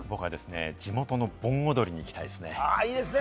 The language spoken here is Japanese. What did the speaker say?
地元の盆踊りに行きたいです。